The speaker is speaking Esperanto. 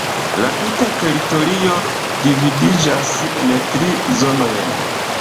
La tuta teritorio dividiĝas en tri zonojn.